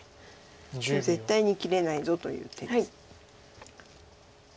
もう絶対に切れないぞという手です。